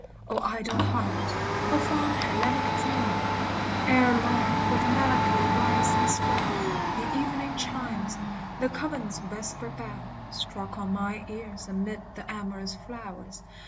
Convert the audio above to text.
O idle heart ! O fond Hellenic dream ! Ere long, with melancholy rise and swell, The evening chimes, the convent's vesper bell, Struck on mine ears amid the amorous flowers.